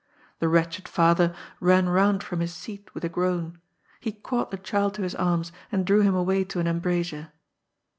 The wretched father ran round from his seat with a groan. He caught the child to his arms, and drew him away to an embrasure.